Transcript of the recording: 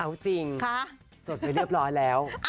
เอาจริงสดไปเรียบร้อยแล้ว